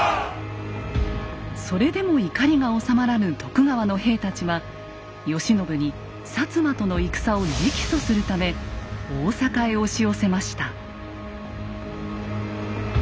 それでも怒りがおさまらぬ徳川の兵たちは慶喜に摩との戦を直訴するため大坂へ押し寄せました。